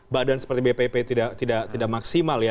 badan seperti bpp tidak maksimal ya